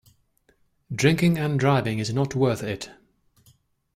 Drinking and driving is not worth it.